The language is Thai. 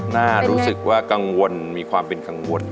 น่ารู้สึกว่ากังวลมีความเป็นกังวล